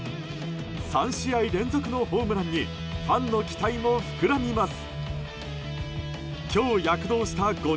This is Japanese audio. ３試合連続のホームランにファンの期待も膨らみます。